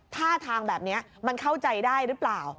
ท่าทางแบบนี้มันเข้าใจได้หรือเปล่า